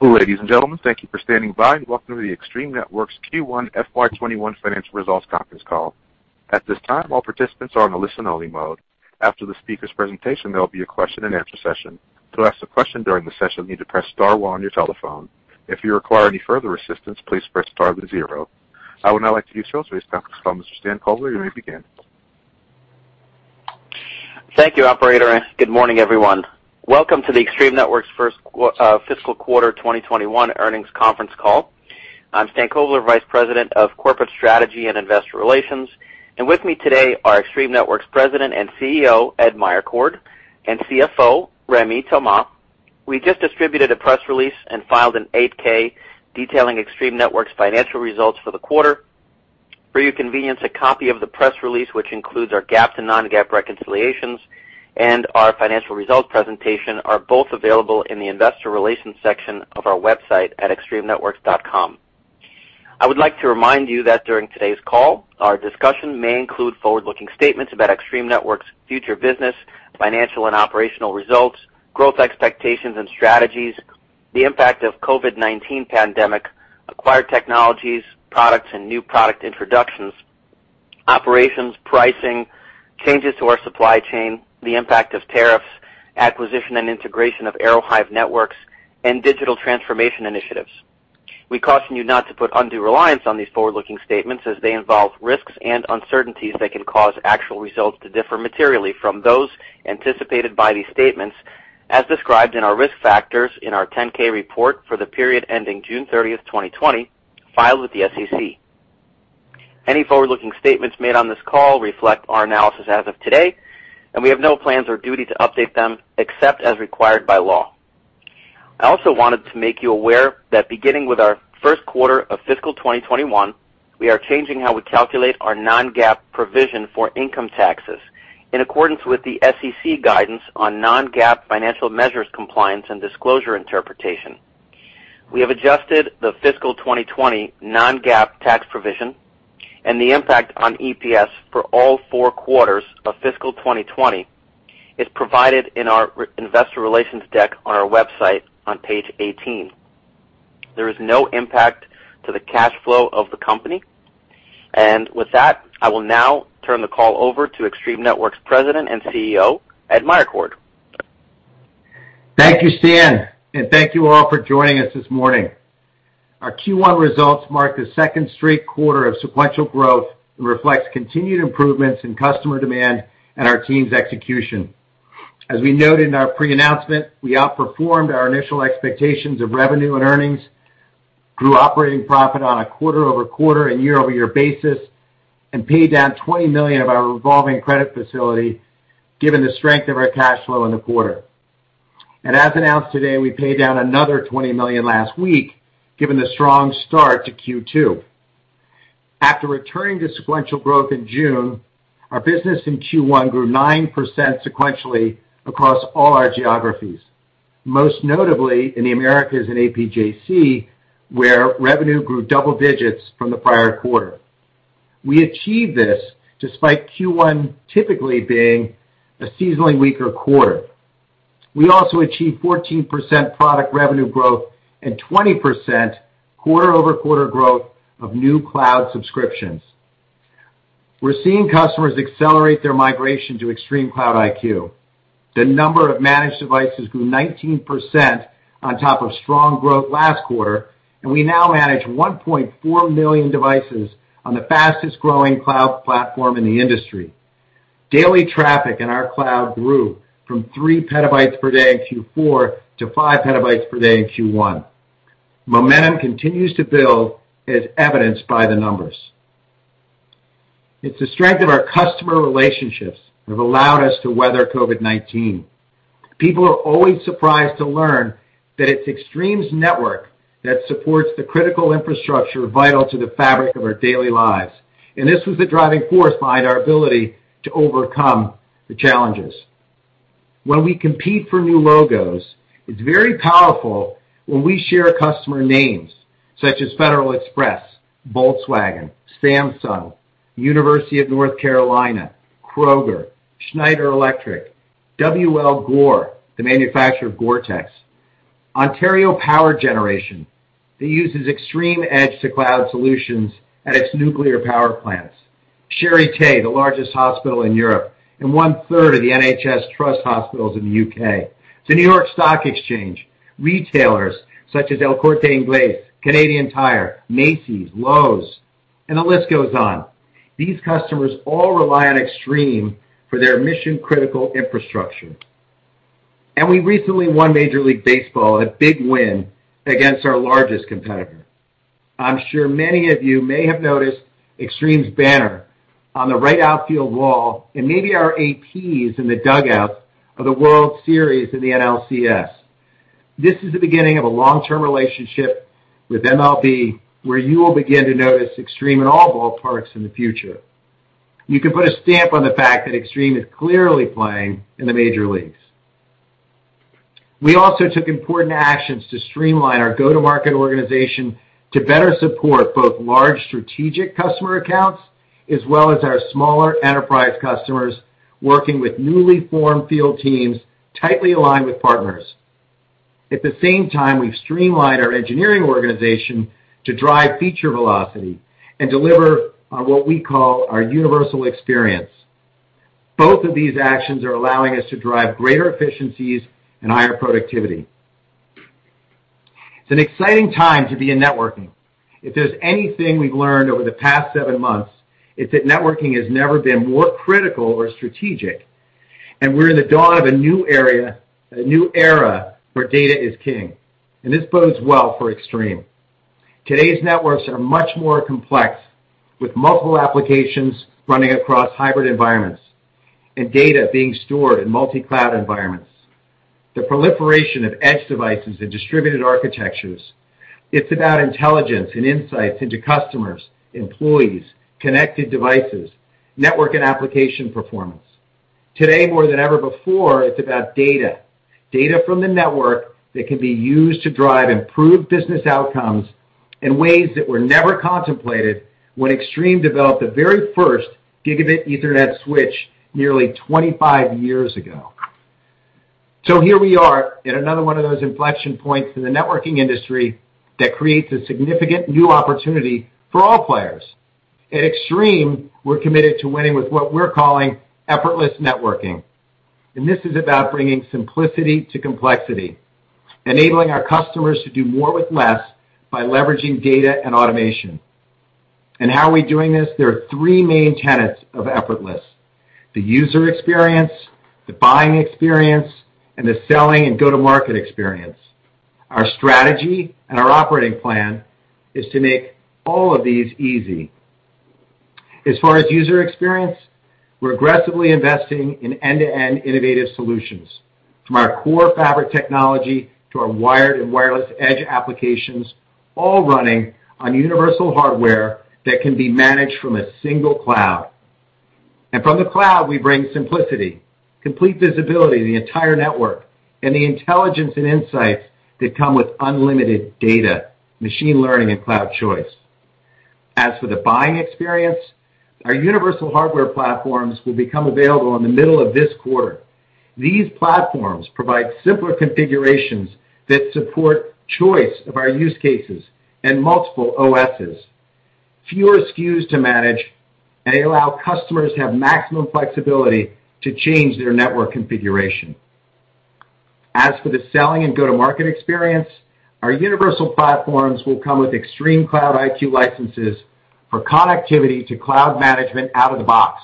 Ladies and gentlemen, thank you for standing by. Welcome to the Extreme Networks Q1 FY 2021 Financial Results Conference Call. At this time, all participants are on a listen-only mode. After the speakers' presentation, there will be a question and answer session. To ask a question during the session, you need to press star one on your telephone. If you require any further assistance, please press star then zero. I would now like to give the floor space now to Mr. Stan Kovler. You may begin. Thank you, operator. Good morning, everyone. Welcome to the Extreme Networks' First Fiscal Quarter 2021 Earnings Conference Call. I'm Stan Kovler, Vice President of Corporate Strategy and Investor Relations, and with me today are Extreme Networks President and CEO, Ed Meyercord, and CFO, Rémi Thomas. We just distributed a press release and filed an 8-K detailing Extreme Networks' financial results for the quarter. For your convenience, a copy of the press release, which includes our GAAP to non-GAAP reconciliations and our financial results presentation, are both available in the investor relations section of our website at extremenetworks.com. I would like to remind you that during today's call, our discussion may include forward-looking statements about Extreme Networks' future business, financial and operational results, growth expectations and strategies, the impact of COVID-19 pandemic, acquired technologies, products and new product introductions, operations, pricing, changes to our supply chain, the impact of tariffs, acquisition and integration of Aerohive Networks, and digital transformation initiatives. We caution you not to put undue reliance on these forward-looking statements as they involve risks and uncertainties that can cause actual results to differ materially from those anticipated by these statements, as described in our risk factors in our 10-K report for the period ending June 30th, 2020, filed with the SEC. Any forward-looking statements made on this call reflect our analysis as of today, and we have no plans or duty to update them except as required by law. I also wanted to make you aware that beginning with our Q1 of fiscal 2021, we are changing how we calculate our non-GAAP provision for income taxes in accordance with the SEC guidance on non-GAAP financial measures compliance and disclosure interpretation. We have adjusted the fiscal 2020 non-GAAP tax provision and the impact on EPS for all four quarters of fiscal 2020. It's provided in our investor relations deck on our website on page 18. There is no impact to the cash flow of the company. With that, I will now turn the call over to Extreme Networks President and CEO, Ed Meyercord. Thank you, Stan, and thank you all for joining us this morning. Our Q1 results mark the second straight quarter of sequential growth and reflects continued improvements in customer demand and our team's execution. As we noted in our pre-announcement, we outperformed our initial expectations of revenue and earnings, grew operating profit on a quarter-over-quarter and year-over-year basis, and paid down $20 million of our revolving credit facility given the strength of our cash flow in the quarter. As announced today, we paid down another $20 million last week, given the strong start to Q2. After returning to sequential growth in June, our business in Q1 grew 9% sequentially across all our geographies. Most notably in the Americas and APJC, where revenue grew double digits from the prior quarter. We achieved this despite Q1 typically being a seasonally weaker quarter. We also achieved 14% product revenue growth and 20% quarter-over-quarter growth of new cloud subscriptions. We're seeing customers accelerate their migration to ExtremeCloud IQ. The number of managed devices grew 19% on top of strong growth last quarter, and we now manage 1.4 million devices on the fastest growing cloud platform in the industry. Daily traffic in our cloud grew from three petabytes per day in Q4 to five petabytes per day in Q1. Momentum continues to build as evidenced by the numbers. It's the strength of our customer relationships that have allowed us to weather COVID-19. People are always surprised to learn that it's Extreme's network that supports the critical infrastructure vital to the fabric of our daily lives. This was the driving force behind our ability to overcome the challenges. When we compete for new logos, it's very powerful when we share customer names such as Federal Express, Volkswagen, Samsung, University of North Carolina, Kroger, Schneider Electric, W.L. Gore, the manufacturer of GORE-TEX, Ontario Power Generation, that uses Extreme edge to cloud solutions at its nuclear power plants, Charité, the largest hospital in Europe and one-third of the NHS Trust hospitals in the U.K., the New York Stock Exchange, retailers such as El Corte Inglés, Canadian Tire, Macy's, Lowe's, and the list goes on. These customers all rely on Extreme for their mission-critical infrastructure. We recently won Major League Baseball, a big win against our largest competitor. I'm sure many of you may have noticed Extreme's banner on the right outfield wall and maybe our APs in the dugout of the World Series in the NLCS. This is the beginning of a long-term relationship with MLB, where you will begin to notice Extreme in all ballparks in the future. You can put a stamp on the fact that Extreme is clearly playing in the major leagues. We also took important actions to streamline our go-to-market organization to better support both large strategic customer accounts as well as our smaller enterprise customers working with newly formed field teams tightly aligned with partners. At the same time, we've streamlined our engineering organization to drive feature velocity and deliver what we call our universal experience. Both of these actions are allowing us to drive greater efficiencies and higher productivity. It's an exciting time to be in networking. If there's anything we've learned over the past seven months, it's that networking has never been more critical or strategic, and we're in the dawn of a new era where data is king, and this bodes well for Extreme. Today's networks are much more complex, with multiple applications running across hybrid environments and data being stored in multi-cloud environments. The proliferation of edge devices and distributed architectures, it's about intelligence and insights into customers, employees, connected devices, network and application performance. Today, more than ever before, it's about data. Data from the network that can be used to drive improved business outcomes in ways that were never contemplated when Extreme developed the very first gigabit Ethernet switch nearly 25 years ago. Here we are at another one of those inflection points in the networking industry that creates a significant new opportunity for all players. At Extreme, we're committed to winning with what we're calling effortless networking, this is about bringing simplicity to complexity, enabling our customers to do more with less by leveraging data and automation. How are we doing this? There are three main tenets of effortless, the user experience, the buying experience, and the selling and go-to-market experience. Our strategy and our operating plan is to make all of these easy. As far as user experience, we're aggressively investing in end-to-end innovative solutions, from our core fabric technology to our wired and wireless edge applications, all running on universal hardware that can be managed from a single cloud. From the cloud, we bring simplicity, complete visibility of the entire network, and the intelligence and insights that come with unlimited data, machine learning, and cloud choice. As for the buying experience, our universal hardware platforms will become available in the middle of this quarter. These platforms provide simpler configurations that support choice of our use cases and multiple OSs, fewer SKUs to manage, and they allow customers to have maximum flexibility to change their network configuration. As for the selling and go-to-market experience, our universal platforms will come with ExtremeCloud IQ licenses for connectivity to cloud management out of the box.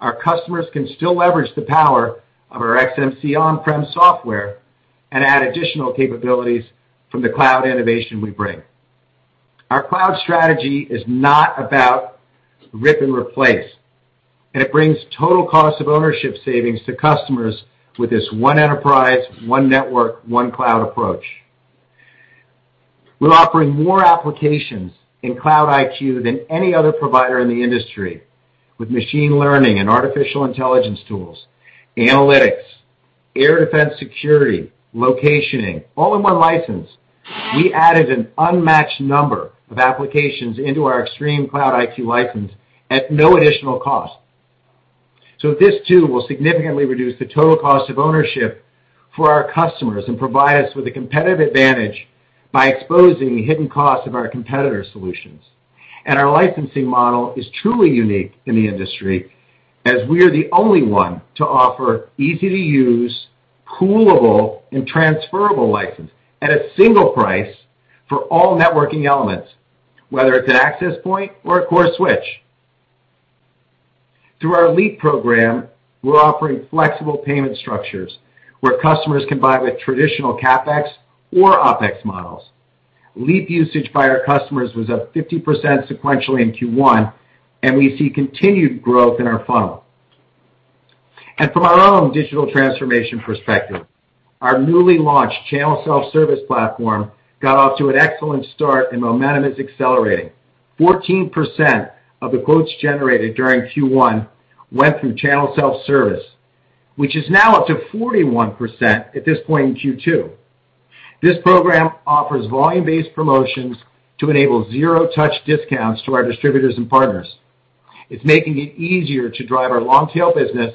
Our customers can still leverage the power of our XMC on-prem software and add additional capabilities from the cloud innovation we bring. Our cloud strategy is not about rip and replace, and it brings total cost of ownership savings to customers with this one enterprise, one network, one cloud approach. We're offering more applications in ExtremeCloud IQ than any other provider in the industry, with machine learning and artificial intelligence tools, analytics, air defense security, locationing, all in one license. We added an unmatched number of applications into our ExtremeCloud IQ license at no additional cost. This too will significantly reduce the total cost of ownership for our customers and provide us with a competitive advantage by exposing hidden costs of our competitors' solutions. Our licensing model is truly unique in the industry, as we are the only one to offer easy-to-use, poolable, and transferable license at a single price for all networking elements, whether it's an access point or a core switch. Through our LEAP program, we're offering flexible payment structures where customers can buy with traditional CapEx or OpEx models. LEAP usage by our customers was up 50% sequentially in Q1, and we see continued growth in our funnel. From our own digital transformation perspective, our newly launched channel self-service platform got off to an excellent start, and momentum is accelerating. 14% of the quotes generated during Q1 went through channel self-service, which is now up to 41% at this point in Q2. This program offers volume-based promotions to enable zero-touch discounts to our distributors and partners. It's making it easier to drive our long-tail business.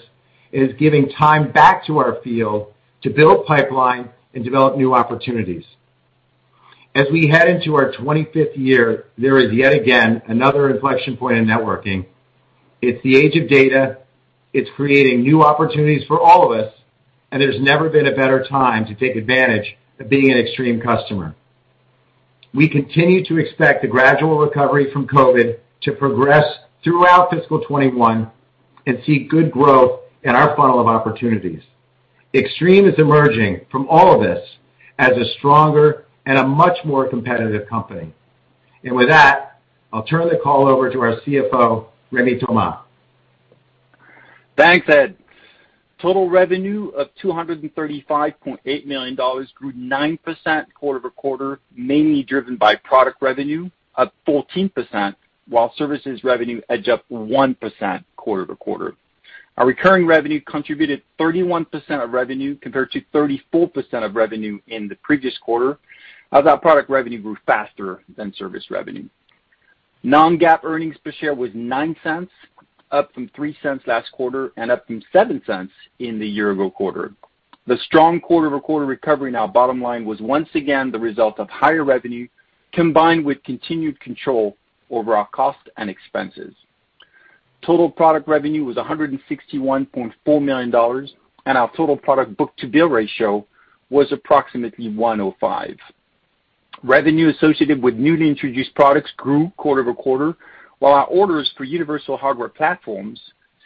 It is giving time back to our field to build pipeline and develop new opportunities. As we head into our 25th year, there is yet again another inflection point in networking. It's the age of data. It's creating new opportunities for all of us, and there's never been a better time to take advantage of being an Extreme customer. We continue to expect a gradual recovery from COVID to progress throughout fiscal 2021 and see good growth in our funnel of opportunities. Extreme is emerging from all of this as a stronger and a much more competitive company. With that, I'll turn the call over to our CFO, Rémi Thomas. Thanks, Ed. Total revenue of $235.8 million grew 9% quarter-over-quarter, mainly driven by product revenue up 14%, while services revenue edged up 1% quarter-over-quarter. Our recurring revenue contributed 31% of revenue, compared to 34% of revenue in the previous quarter, as our product revenue grew faster than service revenue. Non-GAAP earnings per share was $0.09, up from $0.03 last quarter, and up from $0.07 in the year-ago quarter. The strong quarter-over-quarter recovery in our bottom line was once again the result of higher revenue combined with continued control over our cost and expenses. Total product revenue was $161.4 million, and our total product book-to-bill ratio was approximately 105. Revenue associated with newly introduced products grew quarter-over-quarter, while our orders for universal hardware platforms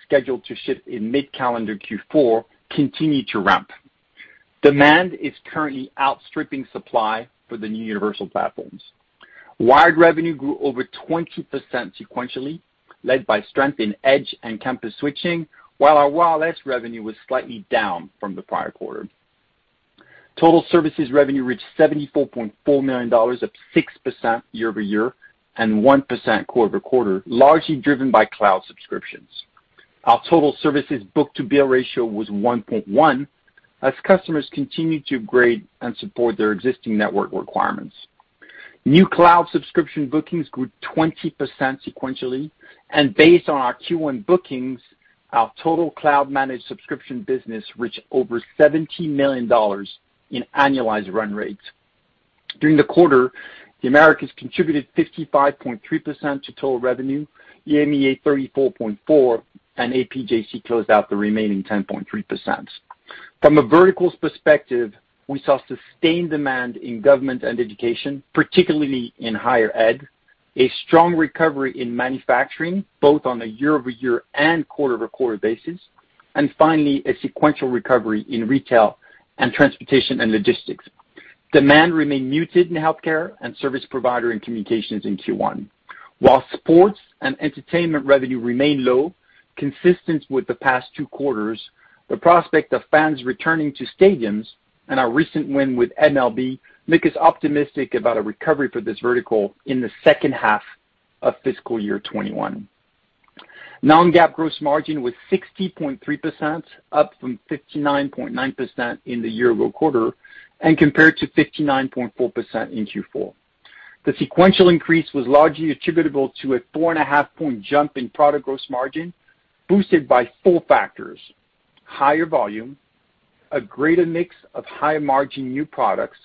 scheduled to ship in mid calendar Q4 continue to ramp. Demand is currently outstripping supply for the new universal platforms. Wired revenue grew over 20% sequentially, led by strength in edge and campus switching, while our wireless revenue was slightly down from the prior quarter. Total services revenue reached $74.4 million, up 6% year-over-year and 1% quarter-over-quarter, largely driven by cloud subscriptions. Our total services book-to-bill ratio was 1.1 as customers continued to upgrade and support their existing network requirements. New cloud subscription bookings grew 20% sequentially, and based on our Q1 bookings, our total cloud-managed subscription business reached over $70 million in annualized run rates. During the quarter, the Americas contributed 55.3% to total revenue, EMEA 34.4%, and APJC closed out the remaining 10.3%. From a verticals perspective, we saw sustained demand in government and education, particularly in higher ed, a strong recovery in manufacturing, both on a year-over-year and quarter-over-quarter basis. Finally, a sequential recovery in retail and transportation and logistics. Demand remained muted in healthcare and service provider and communications in Q1. While sports and entertainment revenue remained low, consistent with the past two quarters, the prospect of fans returning to stadiums and our recent win with MLB make us optimistic about a recovery for this vertical in the second half of fiscal year 2021. Non-GAAP gross margin was 60.3%, up from 59.9% in the year-ago quarter and compared to 59.4% in Q4. The sequential increase was largely attributable to a 4.5 point jump in product gross margin, boosted by four factors: higher volume, a greater mix of high-margin new products,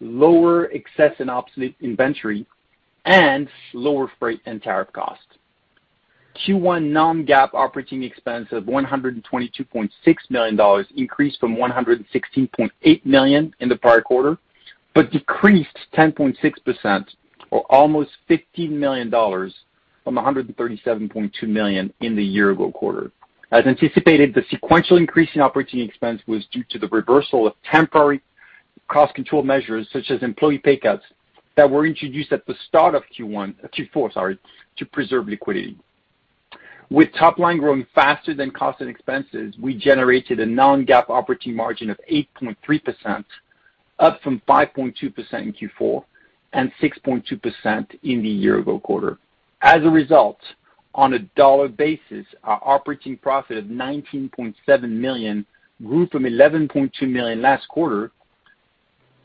lower excess and obsolete inventory, and lower freight and tariff costs. Q1 non-GAAP operating expense of $122.6 million increased from $116.8 million in the prior quarter, but decreased 10.6%, or almost $15 million, from $137.2 million in the year-ago quarter. As anticipated, the sequential increase in operating expense was due to the reversal of temporary cost control measures, such as employee pay cuts, that were introduced at the start of Q4 to preserve liquidity. With top line growing faster than cost and expenses, we generated a non-GAAP operating margin of 8.3%, up from 5.2% in Q4 and 6.2% in the year-ago quarter. As a result, on a dollar basis, our operating profit of $19.7 million grew from $11.2 million last quarter,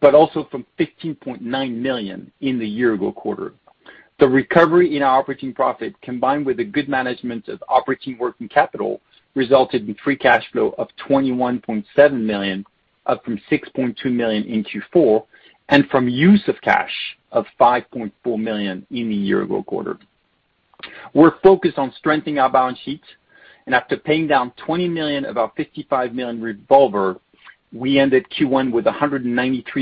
but also from $15.9 million in the year-ago quarter. The recovery in our operating profit, combined with the good management of operating working capital, resulted in free cash flow of $21.7 million, up from $6.2 million in Q4 and from use of cash of $5.4 million in the year-ago quarter. We're focused on strengthening our balance sheet, and after paying down $20 million of our $55 million revolver, we ended Q1 with $193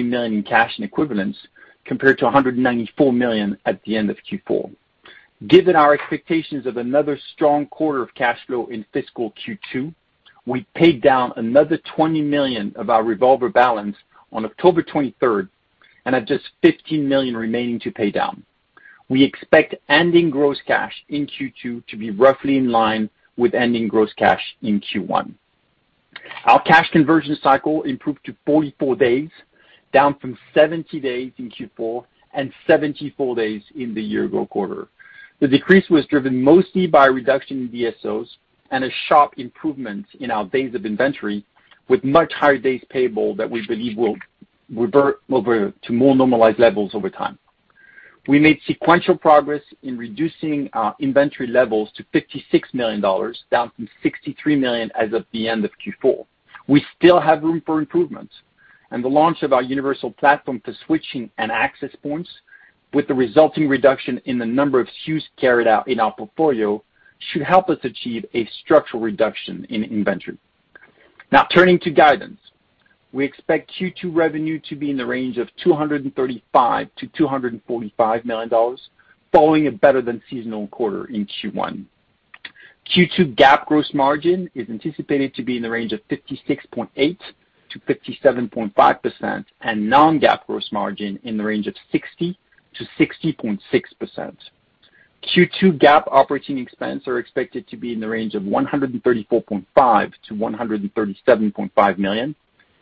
million in cash and equivalents, compared to $194 million at the end of Q4. Given our expectations of another strong quarter of cash flow in fiscal Q2, we paid down another $20 million of our revolver balance on October 23rd and have just $15 million remaining to pay down. We expect ending gross cash in Q2 to be roughly in line with ending gross cash in Q1. Our cash conversion cycle improved to 44 days, down from 70 days in Q4 and 74 days in the year-ago quarter. The decrease was driven mostly by a reduction in DSOs and a sharp improvement in our days of inventory with much higher days payable that we believe will revert over to more normalized levels over time. We made sequential progress in reducing our inventory levels to $56 million, down from $63 million as of the end of Q4. We still have room for improvements, and the launch of our universal platform for switching and access points with the resulting reduction in the number of SKUs carried out in our portfolio should help us achieve a structural reduction in inventory. Now, turning to guidance. We expect Q2 revenue to be in the range of $235 million-$245 million, following a better than seasonal quarter in Q1. Q2 GAAP gross margin is anticipated to be in the range of 56.8%-57.5%, and non-GAAP gross margin in the range of 60%-60.6%. Q2 GAAP operating expense are expected to be in the range of $134.5 million-$137.5 million.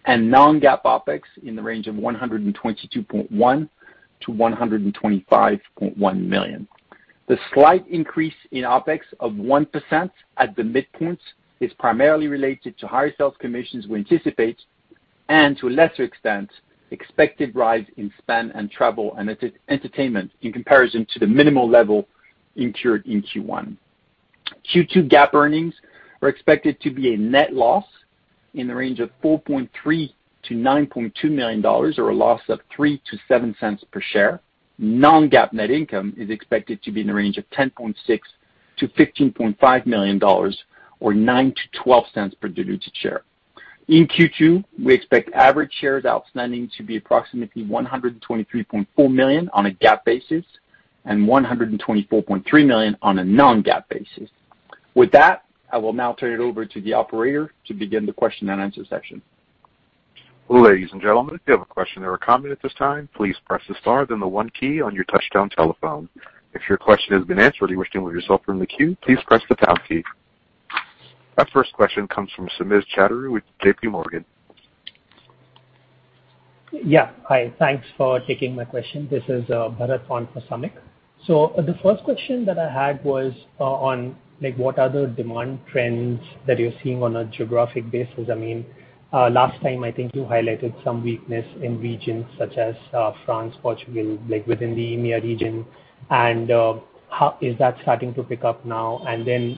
Non-GAAP OpEx in the range of $122.1 million-$125.1 million. The slight increase in OpEx of 1% at the midpoint is primarily related to higher sales commissions we anticipate, and to a lesser extent, expected rise in spend and travel and entertainment in comparison to the minimal level incurred in Q1. Q2 GAAP earnings are expected to be a net loss in the range of $4.3 million-$9.2 million, or a loss of $0.03-$0.07 per share. Non-GAAP net income is expected to be in the range of $10.6 million-$15.5 million, or $0.09-$0.12 per diluted share. In Q2, we expect average shares outstanding to be approximately 123.4 million on a GAAP basis, and 124.3 million on a Non-GAAP basis. With that, I will now turn it over to the operator to begin the question and answer session. Our first question comes from Samik Chatterjee with JPMorgan. Yeah. Hi, thanks for taking my question. This is Bharat on for Samik. The first question that I had was on what are the demand trends that you're seeing on a geographic basis? Last time, I think you highlighted some weakness in regions such as France, Portugal, within the EMEA region. Is that starting to pick up now? Then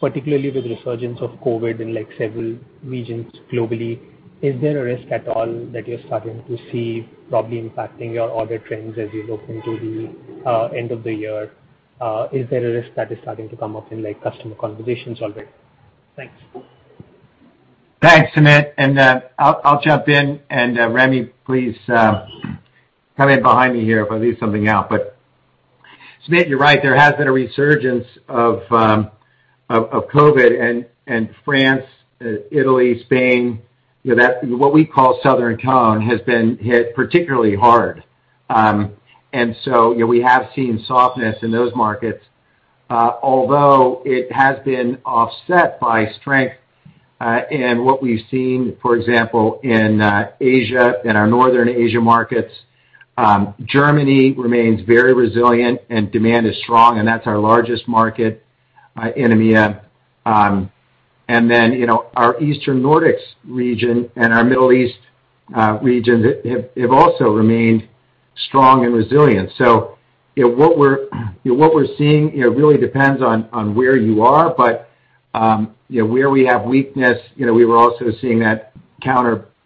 particularly with resurgence of COVID-19 in several regions globally, is there a risk at all that you're starting to see probably impacting your order trends as you look into the end of the year? Is there a risk that is starting to come up in customer conversations already? Thanks. Thanks, Samik, and I'll jump in, and Rémi, please come in behind me here if I leave something out. Samik, you're right, there has been a resurgence of COVID in France, Italy, Spain. What we call Southern Cone has been hit particularly hard. We have seen softness in those markets. It has been offset by strength in what we've seen, for example, in Asia, in our Northern Asia markets. Germany remains very resilient and demand is strong, and that's our largest market in EMEA. Our Eastern Nordics region and our Middle East region have also remained strong and resilient. What we're seeing really depends on where you are. Where we have weakness, we're also seeing that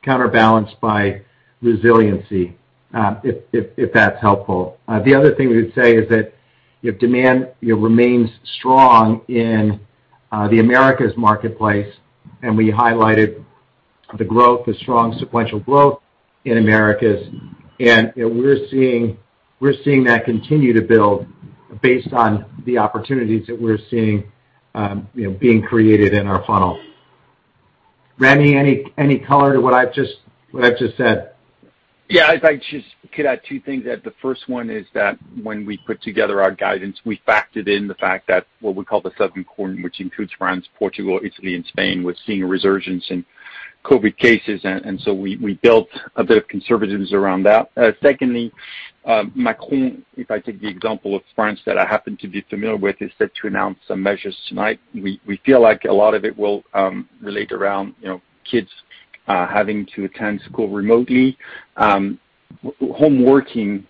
counterbalanced by resiliency, if that's helpful. The other thing we would say is that demand remains strong in the Americas marketplace, and we highlighted the strong sequential growth in Americas. We're seeing that continue to build based on the opportunities that we're seeing being created in our funnel. Rémi, any color to what I've just said? Yeah. If I just could add two things, that the first one is that when we put together our guidance, we factored in the fact that what we call the Southern Cone, which includes France, Portugal, Italy, and Spain, was seeing a resurgence in COVID-19 cases, we built a bit of conservatism around that. Secondly, Macron, if I take the example of France that I happen to be familiar with, is set to announce some measures tonight. We feel like a lot of it will relate around kids having to attend school remotely. Home working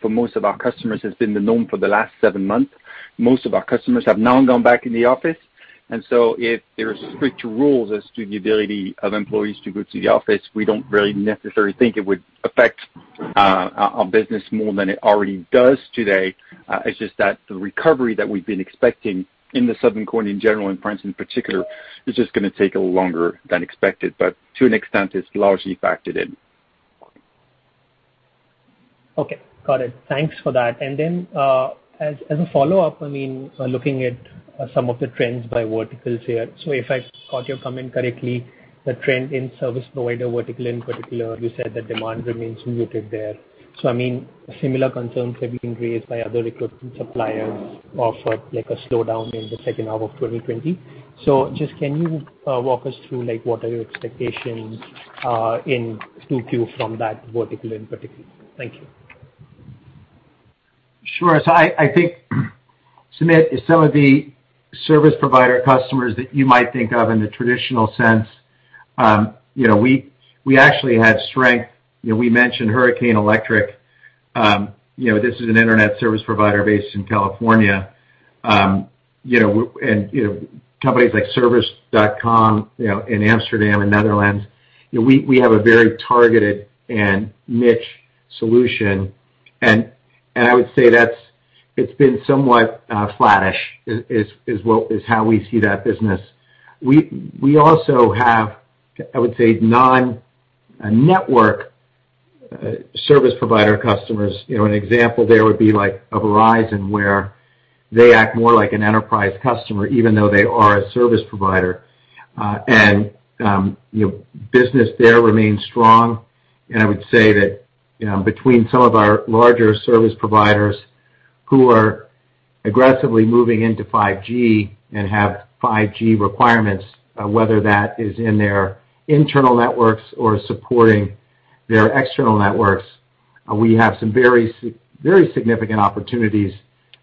for most of our customers has been the norm for the last seven months. Most of our customers have now gone back in the office. If there's stricter rules as to the ability of employees to go to the office, we don't really necessarily think it would affect our business more than it already does today. It's just that the recovery that we've been expecting in the Southern Cone in general, and France in particular, is just going to take a little longer than expected. To an extent, it's largely factored in. Okay, got it. Thanks for that. As a follow-up, looking at some of the trends by verticals here, if I caught your comment correctly, the trend in service provider vertical, in particular, you said that demand remains muted there. Similar concerns have been raised by other equipment suppliers of a slowdown in the second half of 2020. Can you walk us through what are your expectations in 2Q from that vertical in particular? Thank you. Sure. I think, Samik, some of the service provider customers that you might think of in the traditional sense, we actually had strength. We mentioned Hurricane Electric. This is an internet service provider based in California. Companies like ServiceNow in Amsterdam, Netherlands. We have a very targeted and niche solution, I would say it's been somewhat flattish, is how we see that business. We also have, I would say, non-network service provider customers. An example there would be a Verizon, where they act more like an enterprise customer, even though they are a service provider. Business there remains strong, I would say that between some of our larger service providers who are aggressively moving into 5G and have 5G requirements, whether that is in their internal networks or supporting their external networks. We have some very significant opportunities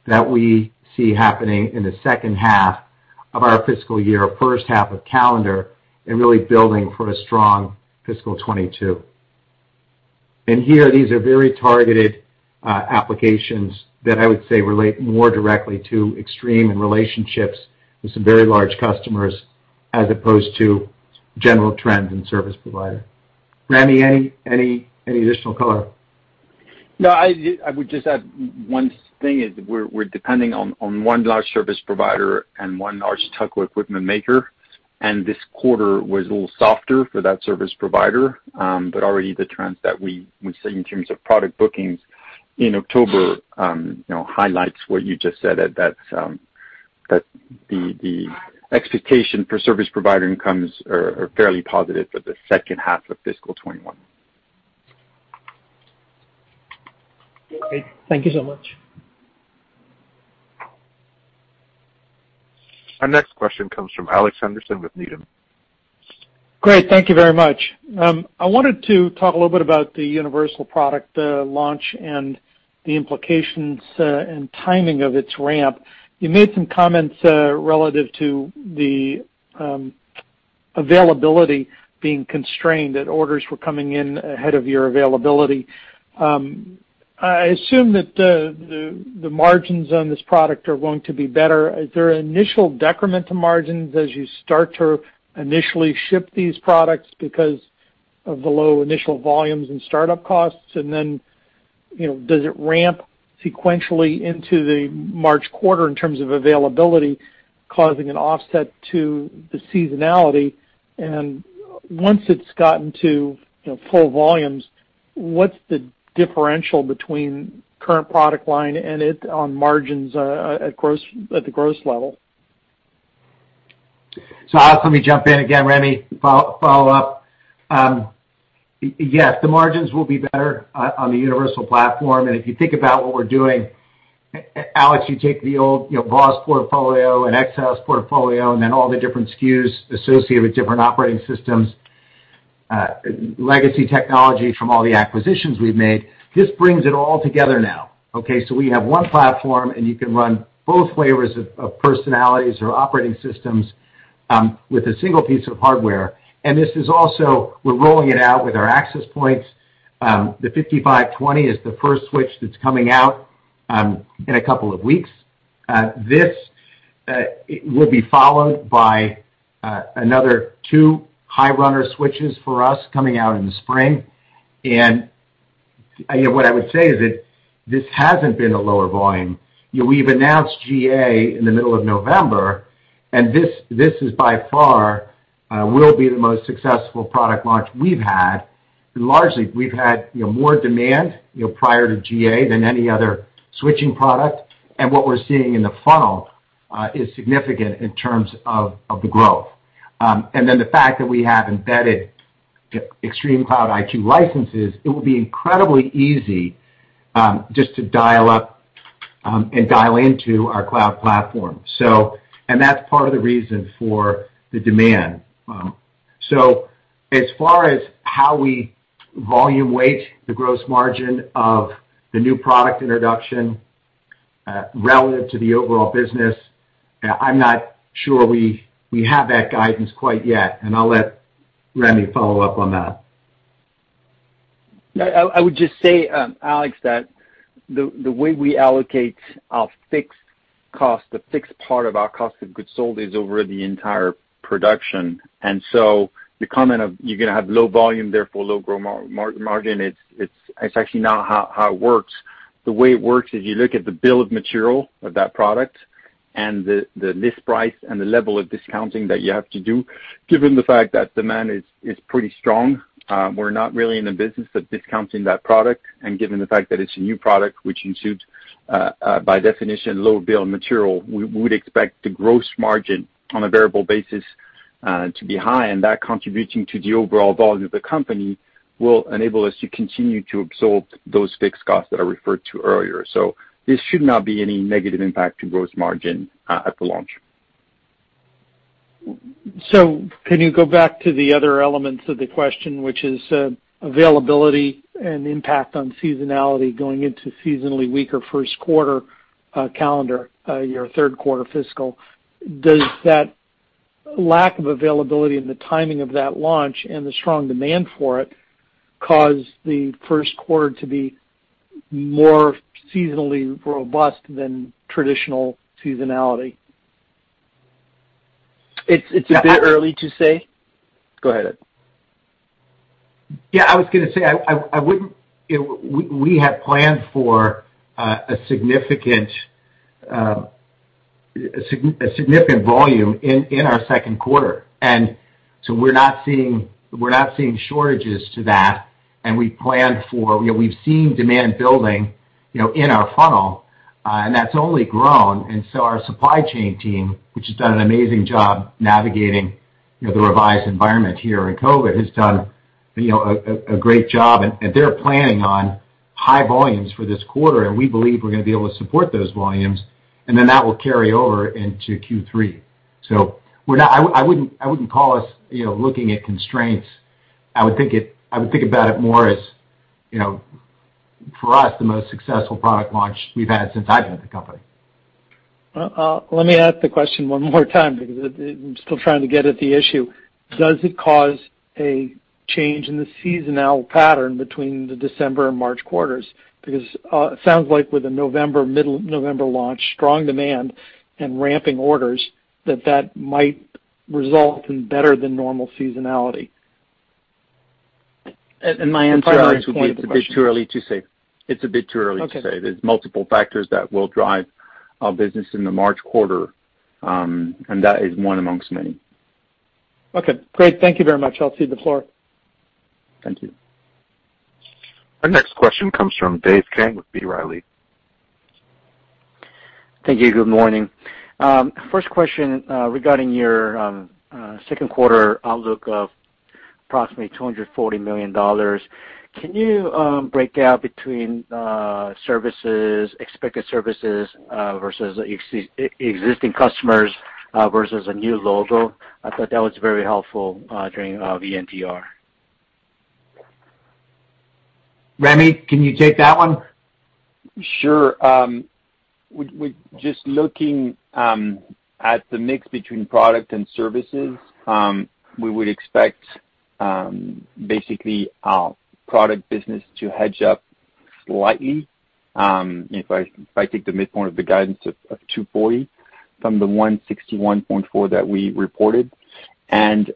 that we see happening in the second half of our fiscal year, first half of calendar, and really building for a strong fiscal 2022. Here, these are very targeted applications that I would say relate more directly to Extreme and relationships with some very large customers as opposed to general trends and service provider. Rémi, any additional color? No, I would just add one thing is we're depending on one large service provider and one large tele equipment maker, and this quarter was a little softer for that service provider. Already the trends that we would see in terms of product bookings in October highlights what you just said, that the expectation for service provider incomes are fairly positive for the H2 of fiscal 2021. Okay. Thank you so much. Our next question comes from Alex Henderson with Needham. Great. Thank you very much. I wanted to talk a little bit about the universal product launch and the implications, and timing of its ramp. You made some comments relative to the availability being constrained, that orders were coming in ahead of your availability. I assume that the margins on this product are going to be better. Is there initial decrement to margins as you start to initially ship these products because of the low initial volumes and startup costs? Does it ramp sequentially into the March quarter in terms of availability, causing an offset to the seasonality? Once it's gotten to full volumes, what's the differential between current product line and it on margins at the gross level? Alex, let me jump in again. Rémi, follow up. Yes, the margins will be better on the universal platform. If you think about what we're doing, Alex, you take the old VOSS portfolio and EXOS portfolio and then all the different SKUs associated with different operating systems, legacy technology from all the acquisitions we've made. This brings it all together now. We have one platform, and you can run both flavors of personalities or operating systems with a single piece of hardware. This is also, we're rolling it out with our access points. The 5520 is the first switch that's coming out in a couple of weeks. This will be followed by another two high runner switches for us coming out in the spring. What I would say is that this hasn't been a lower volume. We've announced GA in the middle of November, this by far will be the most successful product launch we've had. Largely we've had more demand prior to GA than any other switching product. What we're seeing in the funnel is significant in terms of the growth. Then the fact that we have embedded ExtremeCloud IQ licenses, it will be incredibly easy just to dial up and dial into our cloud platform. That's part of the reason for the demand. As far as how we volume weight the gross margin of the new product introduction relative to the overall business, I'm not sure we have that guidance quite yet, and I'll let Rémi follow up on that. I would just say, Alex, that the way we allocate our fixed cost, the fixed part of our cost of goods sold is over the entire production. The comment of you're going to have low volume, therefore low gross margin, it's actually not how it works. The way it works is you look at the bill of material of that product and the list price and the level of discounting that you have to do. Given the fact that demand is pretty strong, we're not really in a business of discounting that product. Given the fact that it's a new product which ensues, by definition, low bill of material, we would expect the gross margin on a variable basis to be high, and that contributing to the overall volume of the company will enable us to continue to absorb those fixed costs that I referred to earlier. This should not be any negative impact to gross margin at the launch. Can you go back to the other elements of the question, which is availability and impact on seasonality going into seasonally weaker Q1 calendar, your third quarter fiscal. Does that lack of availability and the timing of that launch and the strong demand for it cause the Q1 to be more seasonally robust than traditional seasonality? It's a bit early to say. Go ahead. Yeah, I was going to say, we have planned for a significant volume in our second quarter. We're not seeing shortages to that. We've seen demand building in our funnel, and that's only grown. Our supply chain team, which has done an amazing job navigating the revised environment here in COVID, has done a great job, and they're planning on high volumes for this quarter, and we believe we're going to be able to support those volumes, and then that will carry over into Q3. I wouldn't call us looking at constraints. I would think about it more as, for us, the most successful product launch we've had since I've been at the company. Well, let me ask the question one more time because I'm still trying to get at the issue. Does it cause a change in the seasonal pattern between the December and March quarters? Because it sounds like with a middle of November launch, strong demand and ramping orders, that that might result in better than normal seasonality. It's a bit too early to say. Okay. There's multiple factors that will drive our business in the March quarter, and that is one amongst many. Okay, great. Thank you very much. I'll cede the floor. Thank you. Our next question comes from Dave Kang with B. Riley. Thank you. Good morning. First question regarding your second quarter outlook of approximately $240 million. Can you break out between expected services versus existing customers versus a new logo? I thought that was very helpful during the NTR. Rémi, can you take that one? Sure. With just looking at the mix between product and services, we would expect basically our product business to hedge up slightly. If I take the midpoint of the guidance of $240 from the $161.4 that we reported, and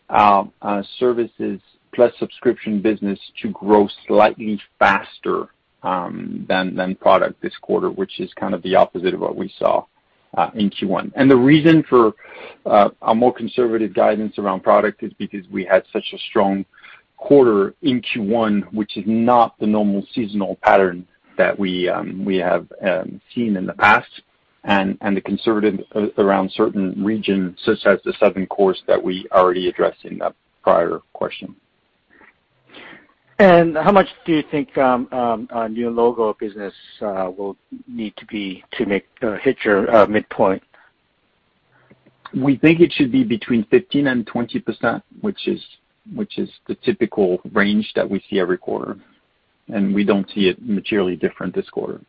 services plus subscription business to grow slightly faster than product this quarter, which is kind of the opposite of what we saw in Q1. The reason for a more conservative guidance around product is because we had such a strong quarter in Q1, which is not the normal seasonal pattern that we have seen in the past, and the conservative around certain regions, such as the Southern Cone that we already addressed in the prior question. How much do you think new logo business will need to be to hit your midpoint? We think it should be between 15% and 20%, which is the typical range that we see every quarter, and we don't see it materially different this quarter.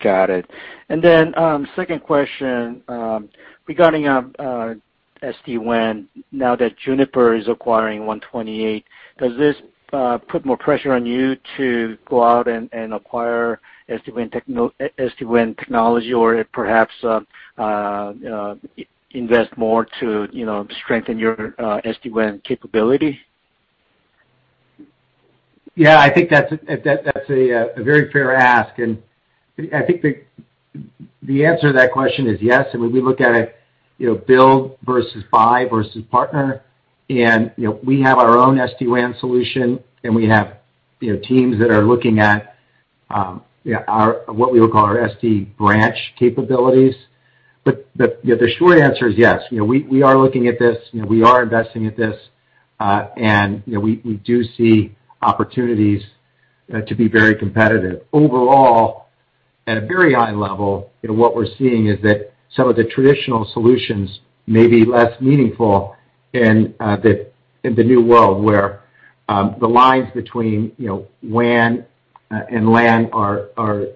Got it. Second question regarding SD-WAN. Now that Juniper is acquiring 128, does this put more pressure on you to go out and acquire SD-WAN technology or perhaps invest more to strengthen your SD-WAN capability? Yeah, I think that's a very fair ask. I think the answer to that question is yes. When we look at it, build versus buy versus partner, we have our own SD-WAN solution. We have teams that are looking at what we would call our SD-Branch capabilities. The short answer is yes. We are looking at this. We are investing at this. We do see opportunities to be very competitive. Overall, at a very high level, what we're seeing is that some of the traditional solutions may be less meaningful in the new world, where the lines between WAN and LAN are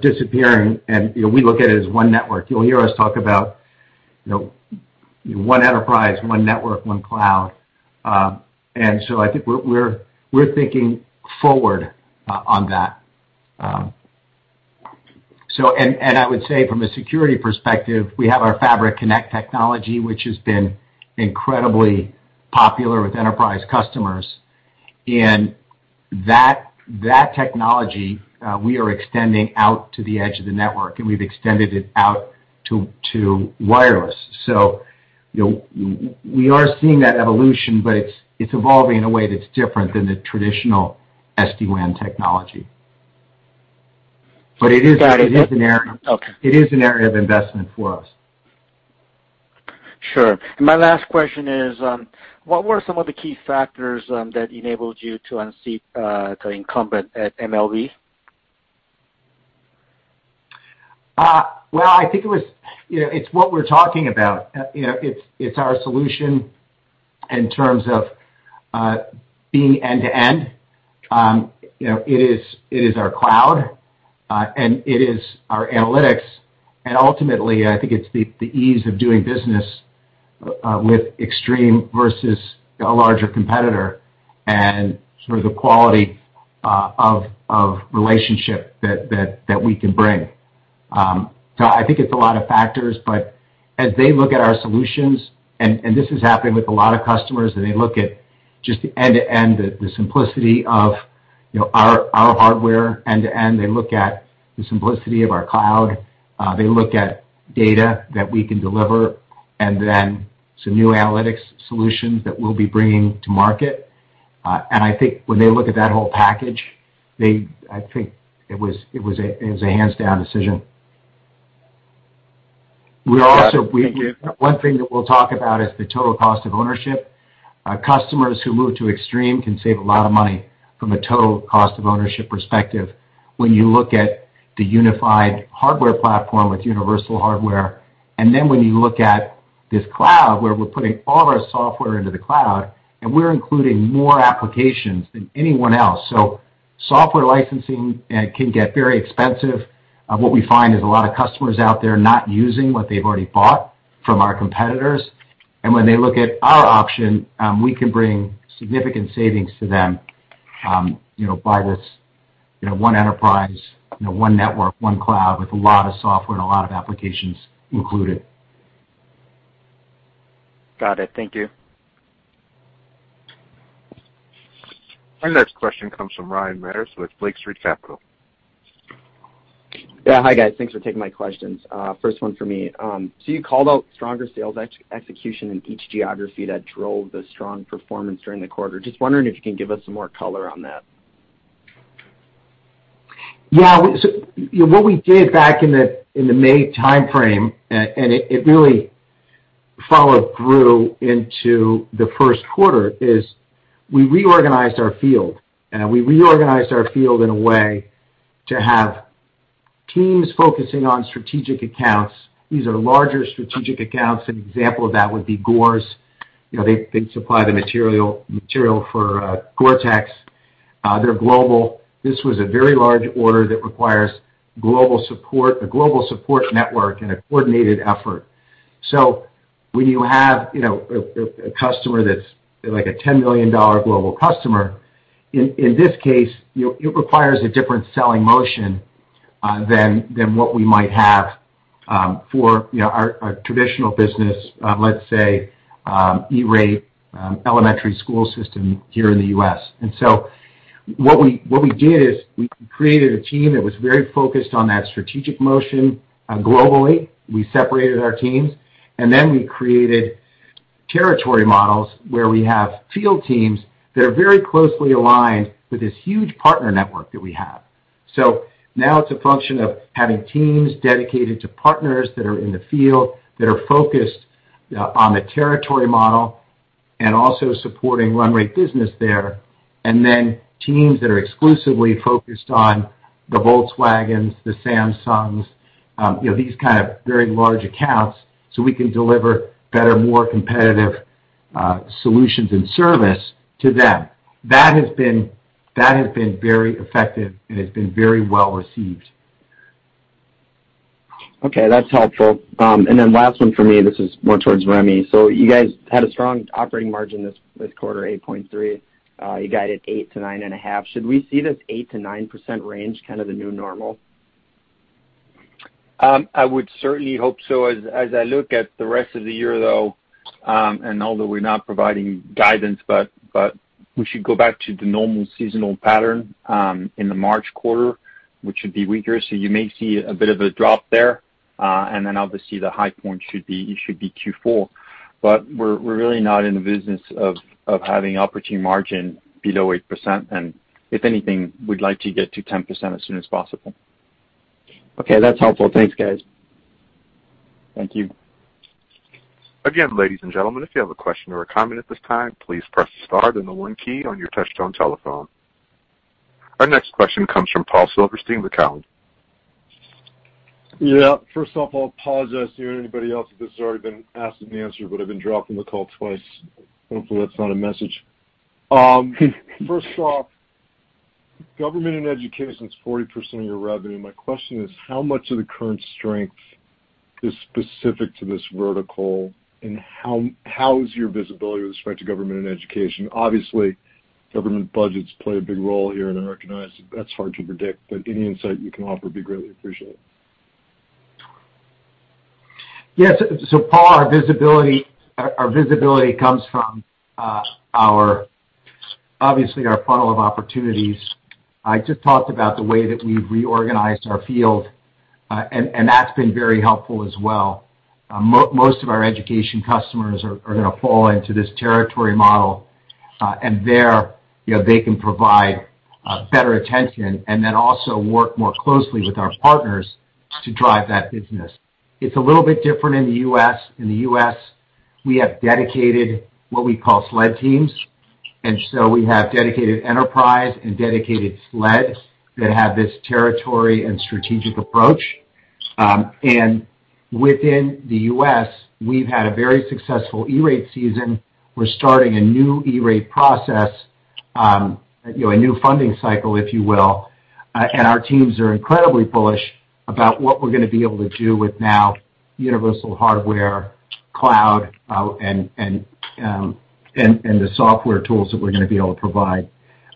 disappearing. We look at it as one network. You'll hear us talk about one enterprise, one network, one cloud. I think we're thinking forward on that. I would say from a security perspective, we have our Fabric Connect technology, which has been incredibly popular with enterprise customers. That technology we are extending out to the edge of the network, and we've extended it out to wireless. We are seeing that evolution, but it's evolving in a way that's different than the traditional SD-WAN technology. Got it. It is an area. Okay. it is an area of investment for us. Sure. My last question is, what were some of the key factors that enabled you to unseat the incumbent at MLB? Well, I think it's what we're talking about. It's our solution in terms of being end-to-end. It is our cloud, and it is our analytics. Ultimately, I think it's the ease of doing business with Extreme versus a larger competitor and sort of the quality of relationship that we can bring. I think it's a lot of factors, but as they look at our solutions, and this is happening with a lot of customers, and they look at just the end-to-end, the simplicity of our hardware end-to-end. They look at the simplicity of our cloud. They look at data that we can deliver, and then some new analytics solutions that we'll be bringing to market. I think when they look at that whole package, I think it was a hands-down decision. Got it. Thank you. One thing that we'll talk about is the total cost of ownership. Customers who move to Extreme can save a lot of money from a total cost of ownership perspective when you look at the unified hardware platform with universal hardware, and then when you look at this cloud, where we're putting all of our software into the cloud, and we're including more applications than anyone else. Software licensing can get very expensive. What we find is a lot of customers out there not using what they've already bought from our competitors. When they look at our option, we can bring significant savings to them by this one enterprise, one network, one cloud with a lot of software and a lot of applications included. Got it. Thank you. Our next question comes from Ryan Meyers with Lake Street Capital Markets. Yeah. Hi, guys. Thanks for taking my questions. First one for me. You called out stronger sales execution in each geography that drove the strong performance during the quarter. Just wondering if you can give us some more color on that. Yeah. What we did back in the May timeframe, and it really followed through into the Q1, is we reorganized our field, and we reorganized our field in a way to have teams focusing on strategic accounts. These are larger strategic accounts. An example of that would be Gore. They supply the material for GORE-TEX. They're global. This was a very large order that requires global support, a global support network, and a coordinated effort. When you have a customer that's like a $10 million global customer, in this case, it requires a different selling motion than what we might have for our traditional business, let's say, E-Rate elementary school system here in the U.S. What we did is we created a team that was very focused on that strategic motion globally. We separated our teams. We created territory models where we have field teams that are very closely aligned with this huge partner network that we have. Now it's a function of having teams dedicated to partners that are in the field that are focused on the territory model and also supporting run rate business there, and then teams that are exclusively focused on the Volkswagens, the Samsungs, these kind of very large accounts, so we can deliver better, more competitive solutions and service to them. That has been very effective and has been very well-received. Okay, that's helpful. Last one for me, this is more towards Rémi. You guys had a strong operating margin this quarter, 8.3%. You guided 8%-9.5%. Should we see this 8%-9% range kind of the new normal? I would certainly hope so. As I look at the rest of the year, though, although we're not providing guidance, we should go back to the normal seasonal pattern in the March quarter, which should be weaker. You may see a bit of a drop there. Then obviously the high point should be Q4. We're really not in the business of having operating margin below 8%, and if anything, we'd like to get to 10% as soon as possible. Okay, that's helpful. Thanks, guys. Thank you. Our next question comes from Paul Silverstein with Cowen. Yeah. First off, I'll apologize to you or anybody else if this has already been asked and answered, but I've been dropped from the call twice. Hopefully, that's not a message. First off, government and education's 40% of your revenue. My question is, how much of the current strength is specific to this vertical, and how is your visibility with respect to government and education? Obviously, government budgets play a big role here, and I recognize that's hard to predict, but any insight you can offer would be greatly appreciated. Yes. Paul, our visibility comes from, obviously, our funnel of opportunities. I just talked about the way that we've reorganized our field, and that's been very helpful as well. Most of our education customers are going to fall into this territory model, and there they can provide better attention and then also work more closely with our partners to drive that business. It's a little bit different in the U.S. In the U.S., we have dedicated what we call SLED teams, we have dedicated enterprise and dedicated SLEDs that have this territory and strategic approach. Within the U.S., we've had a very successful E-Rate season. We're starting a new E-Rate process, a new funding cycle, if you will, and our teams are incredibly bullish about what we're going to be able to do with now universal hardware, cloud, and the software tools that we're going to be able to provide.